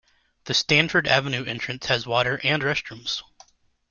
The Stanford Avenue entrance has water and restrooms.